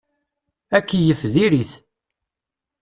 Akeyyef diri-t.